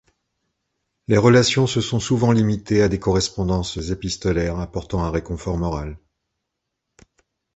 Les relations se sont souvent limitées à des correspondances épistolaires apportant un réconfort moral.